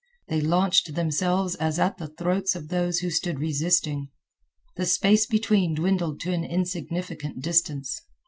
They launched themselves as at the throats of those who stood resisting. The space between dwindled to an insignificant distance.